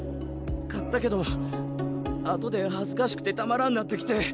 勝ったけど後で恥ずかしくてたまらんなってきて。